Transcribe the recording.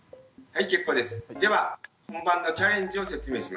はい。